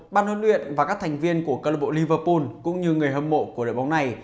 ban huấn luyện và các thành viên của club liverpool cũng như người hâm mộ của đội bóng này